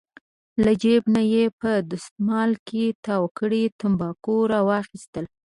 له جېب نه یې په دستمال کې تاو کړي تنباکو راوویستل.